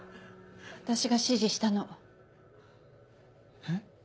私が指示したの。え？